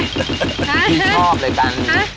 พี่ชอบเลยจัง